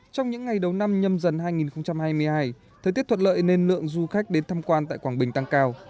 trong những ngày đầu năm nhâm dần hai nghìn hai mươi hai thời tiết thuật lợi nên lượng du khách đến thăm quan tại quảng bình tăng cao